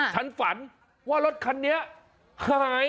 ฉันฝันว่ารถคันนี้หาย